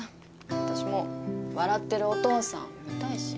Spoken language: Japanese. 私も笑ってるお父さん見たいし。